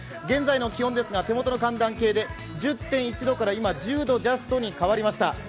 現在の気温ですが、手元の寒暖計で１０．１度から今、１０度ジャストに変わりました。